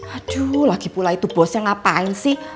aduh lagi pula itu bosnya ngapain sih